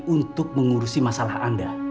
untuk mengurusi masalah anda